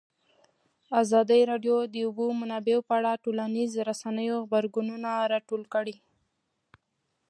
ازادي راډیو د د اوبو منابع په اړه د ټولنیزو رسنیو غبرګونونه راټول کړي.